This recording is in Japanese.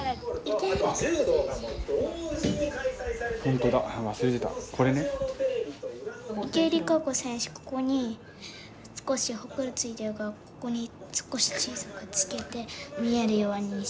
ここに少しほくろついてるからここに少し小さくつけて見えるようにしてみた。